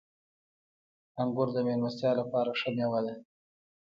• انګور د میلمستیا لپاره ښه مېوه ده.